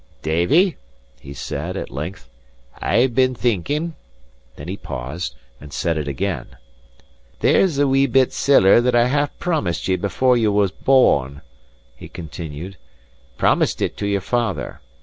"Davie," he said, at length, "I've been thinking;" then he paused, and said it again. "There's a wee bit siller that I half promised ye before ye were born," he continued; "promised it to your father.